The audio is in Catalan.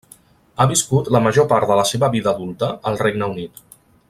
Ha viscut la major part de la seva vida adulta al Regne Unit.